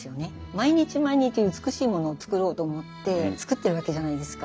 毎日毎日美しいものを作ろうと思って作ってるわけじゃないですか。